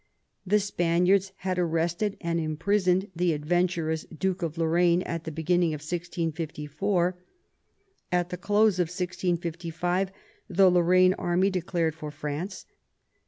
The Spaniards had arrested and imprisoned the adventurous Duke of Lorraine at the beginning of 1654. At the close of 1655 the Lorraine army declared for France.